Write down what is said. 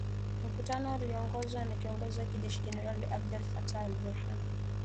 mkutano ulioongozwa na kiongozi wa kijeshi jenerali Abdel Fattah alBurhan